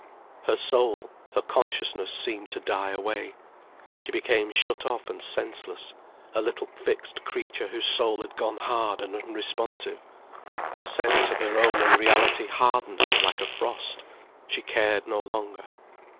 Her soul, her consciousness seemed to die away. She became shut off and senseless, a little fixed creature whose soul had gone hard and unresponsive. The sense of her own unreality hardened her like a frost. She cared no longer.